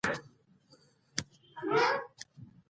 هیڅکله د زده کړې لپاره ناوخته نه دی.